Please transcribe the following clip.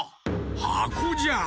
はこじゃ。